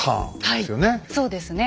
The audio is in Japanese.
そうですね。